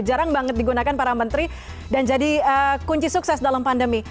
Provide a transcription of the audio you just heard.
jarang banget digunakan para menteri dan jadi kunci sukses dalam pandemi